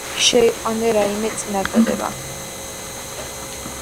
შეიყვანეთ რაიმე წინადადება